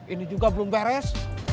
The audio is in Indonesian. ini juga belum beres